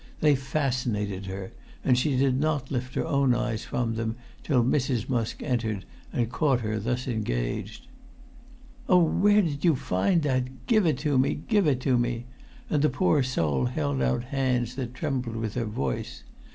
They fascinated her, and she did not lift her own eyes from them till Mrs. Musk entered and caught her thus engaged. "Oh, where did you find that? Give it to me—give it to me!" and the poor soul held out hands that trembled with her voice.